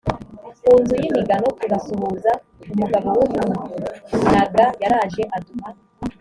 ku nzu y imigano turasuhuza umugabo w umunaga yaraje aduha